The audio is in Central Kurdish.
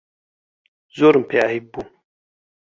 زۆرم پێ عەیب بوو